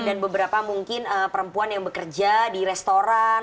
dan beberapa mungkin perempuan yang bekerja di restoran